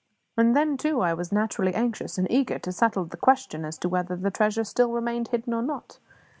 And then, too, I was naturally anxious and eager to settle the question as to whether the treasure still remained hidden or not.